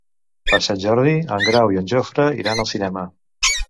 Per Sant Jordi en Grau i en Jofre iran al cinema.